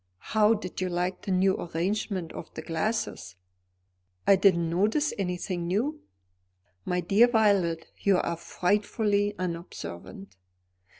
How did you like the new arrangement of the glasses?" "I didn't notice anything new." "My dear Violet, you are frightfully unobservant."